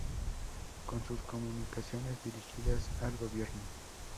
Son sus comunicaciones dirigidas al gobierno.